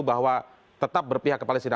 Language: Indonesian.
bahwa tetap berpihak ke palestina